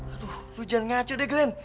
aduh lu jangan ngaco deh glenn